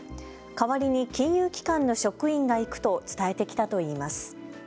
代わりに金融機関の職員が行くと伝えてきたといいます。